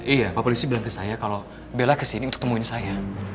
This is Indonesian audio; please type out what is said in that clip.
iya pak polisi bilang ke saya kalau bella kesini untuk temuin saya